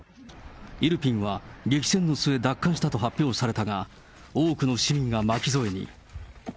イルピンは、激戦の末、奪還されたと発表したが、多くの市民が巻き添えに。